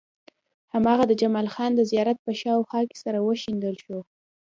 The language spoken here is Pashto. هماغه د جمال خان د زيارت په شاوخوا کې سره وشيندل شو.